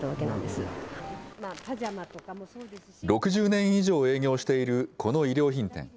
６０年以上営業しているこの衣料品店。